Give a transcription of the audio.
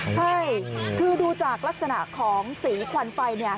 ใช่คือดูจากลักษณะของสีควันไฟ